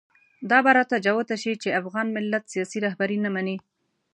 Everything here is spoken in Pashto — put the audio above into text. دا به راته جوته شي چې افغان ملت سیاسي رهبري نه مني.